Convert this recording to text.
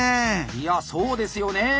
いやそうですよね。